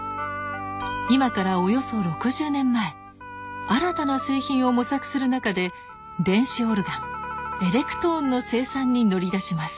今からおよそ６０年前新たな製品を模索する中で電子オルガンエレクトーンの生産に乗り出します。